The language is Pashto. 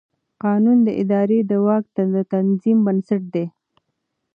قانون د ادارې د واک د تنظیم بنسټ دی.